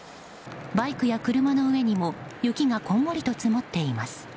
バイクや車の上にも雪がこんもりと積もっています。